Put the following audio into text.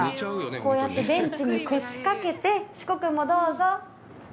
こうやってベンチに腰かけて、しゅこくんも、どうぞ。